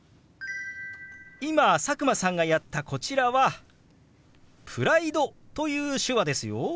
今佐久間さんがやったこちらは「プライド」という手話ですよ。